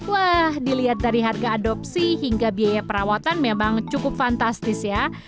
wah dilihat dari harga adopsi hingga biaya perawatan memang cukup fantastis ya